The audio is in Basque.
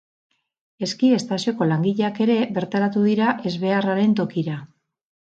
Eski-estazioko langileak ere bertaratu dira ezbeharraren tokira.